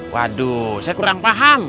waduh saya kurang paham